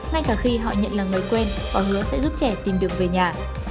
ngay cả khi họ nhận là người quen và hứa sẽ giúp trẻ tìm được về nhà